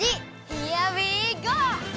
ヒアウィーゴー！